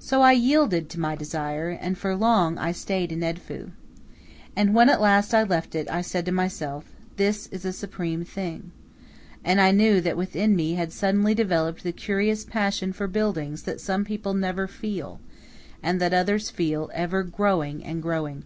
So I yielded to my desire, and for long I stayed in Edfu. And when at last I left it I said to myself, "This is a supreme thing," and I knew that within me had suddenly developed the curious passion for buildings that some people never feel, and that others feel ever growing and growing.